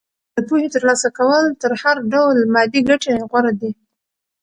د پوهې ترلاسه کول تر هر ډول مادي ګټې غوره دي.